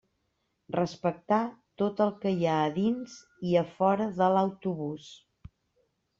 Respectar tot el que hi ha a dins i a fora de l'autobús.